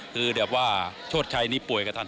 คือเดี๋ยวว่าชเปิดชัยนี้ป่วยกระทาน